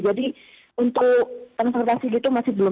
jadi untuk transportasi gitu masih belum